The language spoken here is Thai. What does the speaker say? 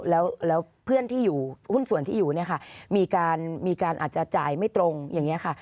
แล้วเพื่อนที่อยู่หุ้นส่วนที่อยู่เนี่ยค่ะมีการอาจจะจ่ายไม่ตรงอย่างนี้ค่ะ